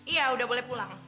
iya udah boleh pulang